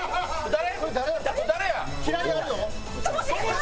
誰？